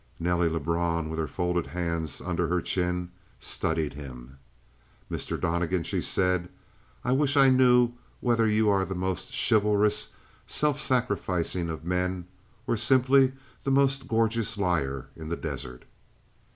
Nelly Lebrun, with her folded hands under her chin, studied him. "Mr. Donnegan," she said, "I wish I knew whether you are the most chivalrous, self sacrificing of men, or simply the most gorgeous liar in the desert."